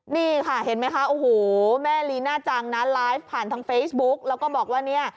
นี่ค่ะเห็นไหมคะโอ้โหแม่ลีน่าจังนะไลฟ์ผ่านทางเฟซบุ๊กแล้วก็บอกว่าเนี่ย